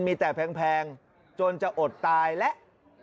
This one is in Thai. มีแต่แพงจนจะอดตายและ